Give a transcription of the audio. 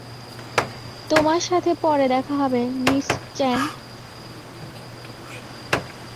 তোমার সাথে পরে দেখা হবে, মিস চ্যাং।